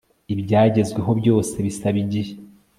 ibyagezweho byose bisaba igihe